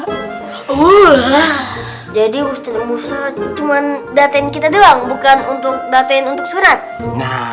jadi ustadz musa cuman datain kita doang bukan untuk datain untuk surat